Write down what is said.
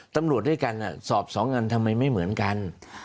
ตำรวจด้วยกันสอบ๒อันทำไมไม่เหมือนกัน